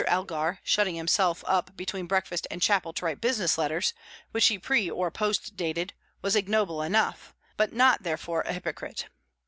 Elgar. shutting himself up between breakfast and chapel to write business letters which he pre or post dated was ignoble enough, but not therefore a hypocrite.